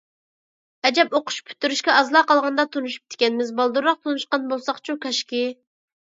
ئەجەب ئوقۇش پۈتتۈرۈشكە ئازلا قالغاندا تونۇشۇپتىكەنمىز، بالدۇرراق تونۇشقان بولساقچۇ كاشكى!